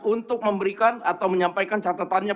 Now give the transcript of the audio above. untuk memberikan atau menyampaikan catatannya